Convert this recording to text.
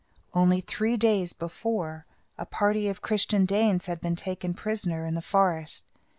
Only three days before, a party of Christian Danes had been taken prisoners in the forest.